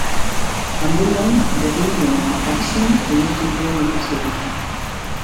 Hanburgon, Berlinen eta Parisen egin zituen ikasketak.